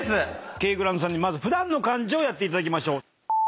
ケイグラントさんに普段の感じをやっていただきましょう。